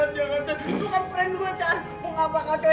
sini ga sempet ya